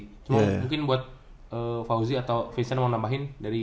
cuma mungkin buat fauzi atau vincent mau nambahin dari